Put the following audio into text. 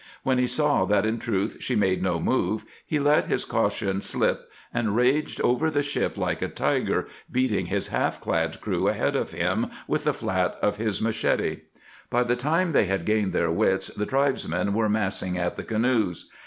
When he saw that in truth she made no move he let his caution slip and raged over the ship like a tiger, beating his half clad crew ahead of him with the flat of his machete. By the time they had gained their wits the tribesmen were massing at the canoes.